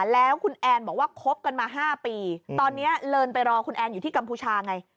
แล้วคุณแอนบอกว่าคบกันมา๕ปีตอนนี้เลินไปรอคุณแอนอยู่ที่กัมพูชาไง